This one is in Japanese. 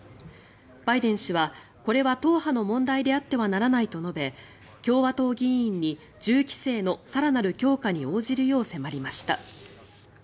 バイデン氏はこれは党派の問題であってはならないと述べ共和党議員に銃規制の更なる強化に応じるよう迫りました。